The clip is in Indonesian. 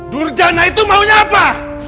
durjana itu maunya apa